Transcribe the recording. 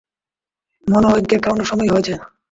মনে হয় কেক খাওয়ানোর সময় হয়েছে।